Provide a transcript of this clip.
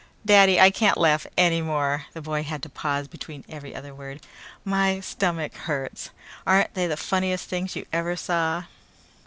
"Daddy, I can't laugh any more," the boy had to pause between every other word. "My stomach hurts. Aren't they the funniest things you ever saw?"